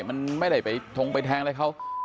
มันไม่ได้ไปทงไปแทงอะไรเขา